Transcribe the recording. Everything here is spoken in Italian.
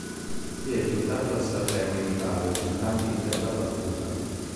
Si è giocato a Sanremo in Italia su campi in terra battuta.